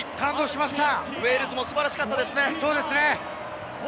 ウェールズも素晴らしかったですね。